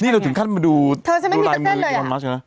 นี่เราถึงขั้นมาดูเธอจะไม่มีแป๊บเส้นเลยอ่ะดูลายมืออีวารมัสใช่ไหม